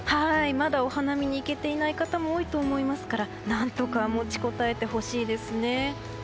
まだお花見に行けていない方も多いと思いますから何とか持ちこたえてほしいですね。